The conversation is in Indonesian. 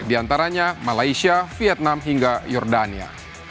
di antaranya malaysia vietnam hingga jordania